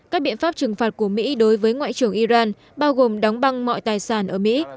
các biện pháp trừng phạt của mỹ đối với ngoại trưởng iran bao gồm đóng băng mọi tài sản ở mỹ